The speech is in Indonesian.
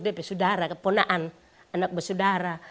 saudara keponaan anak bersaudara